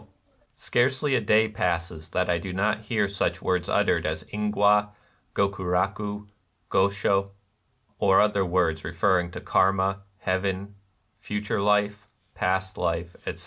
The 1 Scarcely a day passes that I do not hear such words ut tered as ingwa, gokurakti, gosho, — or other words referring to Karma, heaven, future life, past life, etc.